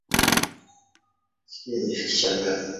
baadhi ya watu wanakodisha masafa ya redio